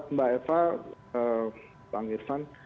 mbak eva pak irfan